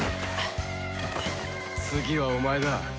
次はお前だ